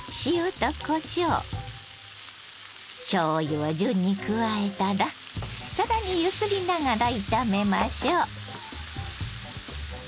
を順に加えたら更に揺すりながら炒めましょう。